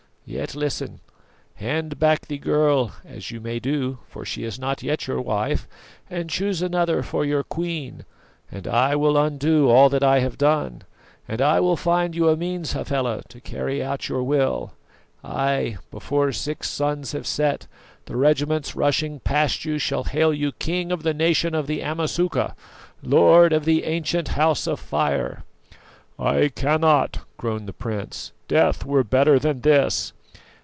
Yet listen. Hand back the girl, as you may do for she is not yet your wife and choose another for your queen, and I will undo all that I have done, and I will find you a means, Hafela, to carry out your will. Ay, before six suns have set, the regiments rushing past you shall hail you King of the Nation of the Amasuka, Lord of the ancient House of Fire!" "I cannot," groaned the prince; "death were better than this!"